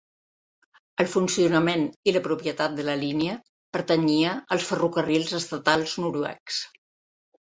El funcionament i la propietat de la línia pertanyia als ferrocarrils estatals noruecs.